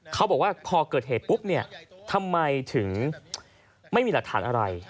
เขาบอกว่าพอเกิดเหตุปุ๊บเนี่ยทำไมถึงไม่มีหลักฐานอะไร